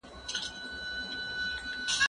زه زده کړه نه کوم،